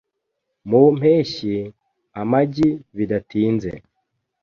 Mu mpeshyi, amagi bidatinze .